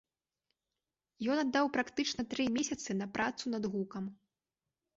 Ён аддаў практычна тры месяцы на працу над гукам.